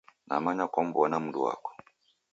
Namanya kwaw'ona mndu wako.